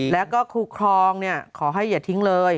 แล้วก็ครูครองขอให้อย่าทิ้งเลย